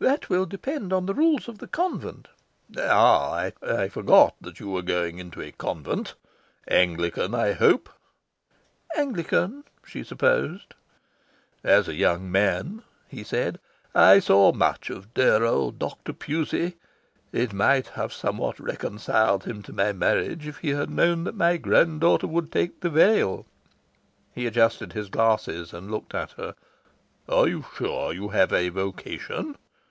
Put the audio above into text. "That will depend on the rules of the convent." "Ah, I forgot that you were going into a convent. Anglican, I hope?" Anglican, she supposed. "As a young man," he said, "I saw much of dear old Dr. Pusey. It might have somewhat reconciled him to my marriage if he had known that my grand daughter would take the veil." He adjusted his glasses, and looked at her. "Are you sure you have a vocation?"